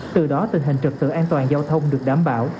từ đó tình hình trực tự an toàn giao thông được đảm bảo